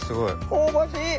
香ばしい。